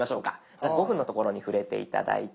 じゃあ５分の所に触れて頂いて。